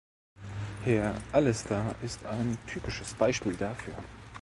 Herr Allister ist ein typisches Beispiel dafür.